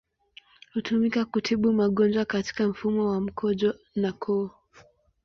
Hutumika kutibu magonjwa katika mfumo wa mkojo na koo.